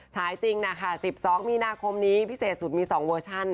ฉายจริงนะคะ๑๒มีนาคมนี้พิเศษสุดมี๒เวอร์ชัน